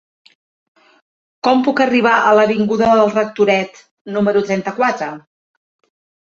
Com puc arribar a l'avinguda del Rectoret número trenta-quatre?